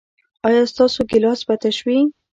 ایا ستاسو ګیلاس به تش وي؟